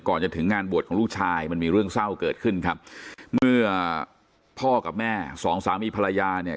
ก่อนจะถึงงานบวชของลูกชายมันมีเรื่องเศร้าเกิดขึ้นครับเมื่อพ่อกับแม่สองสามีภรรยาเนี่ย